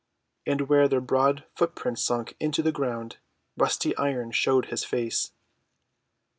And where their broad footprints sunk into the ground, rusty Iron showed his face.